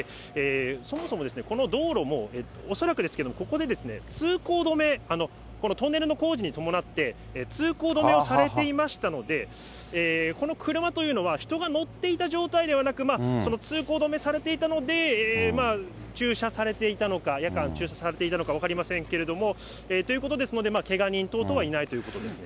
そもそもこの道路も恐らくですけれども、ここで通行止め、このトンネルの工事に伴って通行止めをされていましたので、この車というのは人が乗っていた状態ではなく、通行止めされていたので、駐車されていたのか、夜間駐車されていたのか分かりませんけれども、ということですので、けが人等々はいないということですね。